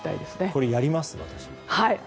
これやりますよ、私。